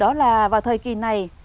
đó là vào thời kỳ này